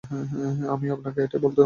আমিও আপনাকে এটাই বলতাম।